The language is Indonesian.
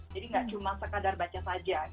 jadi nggak cuma sekadar baca saja